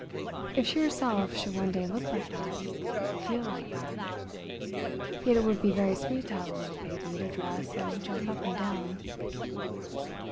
If she herself should one day look like that—feel like that! Yet it would be very sweet to have a little baby to dress and jump up and down.